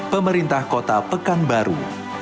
pemerintah kota pekanbaru